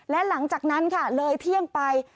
และหลังจากนั้นค่ะเลยเที่ยงไป